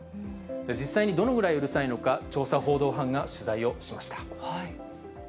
実際にどのぐらいうるさいのか、調査報道班が取材をしました。